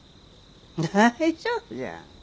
大丈夫じゃ。